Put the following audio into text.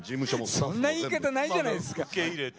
そんな言い方ないじゃないですか。